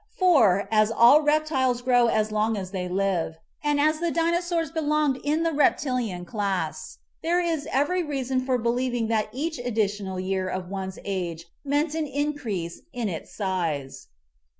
For, as all reptiles grow as long as they live, and as the Dino saurs belonged in the reptilian class, there is every reason for believing that each additional year of one's age meant an increase in its size.